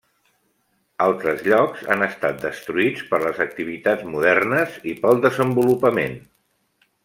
Altres llocs han estat destruïts per les activitats modernes i pel desenvolupament.